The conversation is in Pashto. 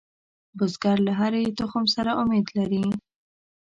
بزګر له هرې تخم سره امید لري